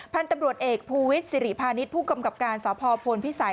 พันธุ์ตำรวจเอกภูวิทย์สิริพาณิชย์ผู้กำกับการสพพลพิสัย